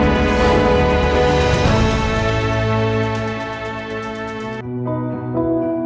masjid di atas pegunungan